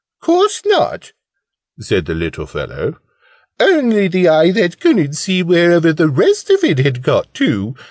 "Course not!" said the little fellow. "Only the eye that couldn't see wherever the rest of it had got to.